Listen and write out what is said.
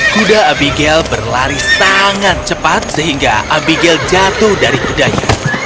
kuda abigail berlari sangat cepat sehingga abigail jatuh dari kudanya